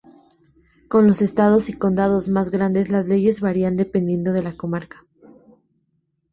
Con los estados y condados más grandes las leyes varían dependiendo de la comarca.